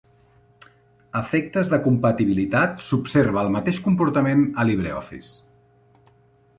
A efectes de compatibilitat, s'observa el mateix comportament a LibreOffice.